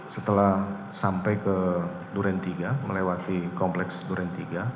setelah sampai ke duren tiga melewati kompleks duren tiga